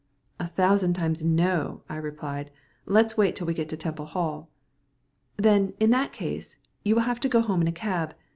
"A thousand times no," I replied. "Let's wait till we get to Temple Hall." "Then, in that case, you will have to go home in a cab.